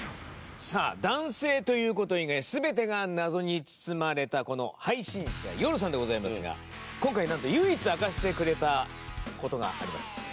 さあ男性という事以外全てが謎に包まれたこの配信者Ｙｏｒｕさんでございますが今回なんと唯一明かしてくれた事があります。